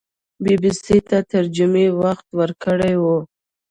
بي بي سي ته تر جمعې وخت ورکړی وو